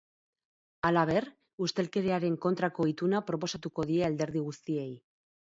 Halaber, ustelkeriaren kontrako ituna proposatuko die alderdi guztiei.